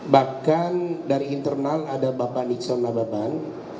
bahkan dari internal ada bapak nichon nababan